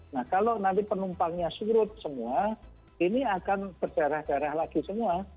nah kalau nanti penumpangnya surut semua ini akan berdarah darah lagi semua